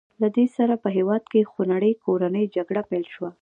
له دې سره په هېواد کې خونړۍ کورنۍ جګړه پیل شوه.